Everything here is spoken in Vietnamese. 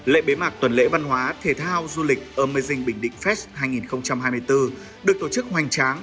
lệ bế mạc tuần lễ văn hóa thể thao du lịch amazing bình định fest hai nghìn hai mươi bốn được tổ chức hoành tráng